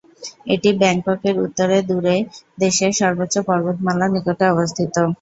এটি ব্যাংককের উত্তরে দুরে, দেশের সর্বোচ্চ পর্বতমালার নিকটে অবস্থিত।